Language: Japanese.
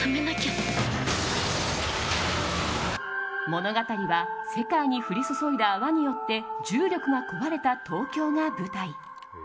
物語は世界に降り注いだ泡によって重力が壊れた東京が舞台。